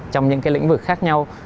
trong những cái lĩnh vực khác nhau